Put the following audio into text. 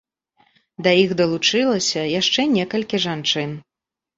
Да іх далучылася яшчэ некалькі жанчын.